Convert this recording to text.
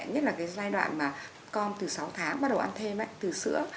nhất là cái giai đoạn mà con từ sáu tháng bắt đầu ăn thêm ấy từ sữa